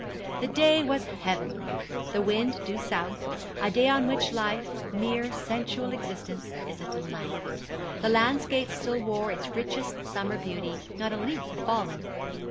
The day was heavenly; the wind due south; a day on which life mere sensual existence is a delight. The landscape still wore its richest summer beauty not a leaf had fallen.